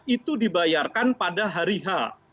itu dibayarkan pada hari h